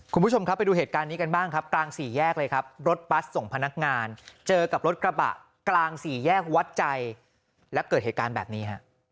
คุณผู้ชมครับไปดูเหตุการณ์นี้กันบ้างครับกลางสี่แยกเลยครับรถบัสส่งพนักงานเจอกับรถกระบะกลางสี่แยกวัดใจและเกิดเหตุการณ์แบบนี้ฮะ